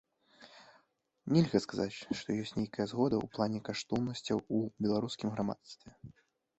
Нельга сказаць, што ёсць нейкая згода у плане каштоўнасцяў у беларускім грамадстве.